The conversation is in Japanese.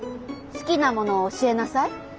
好きなものを教えなさい。